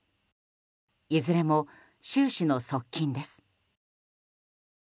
いずれも習氏の側近です。